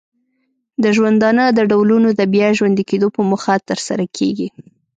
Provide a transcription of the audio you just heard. د ژوندانه د ډولونو د بیا ژوندې کیدو په موخه ترسره کیږي.